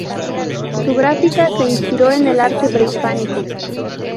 Su gráfica se inspiró en el arte prehispánico.